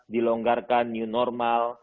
dilonggarkan new normal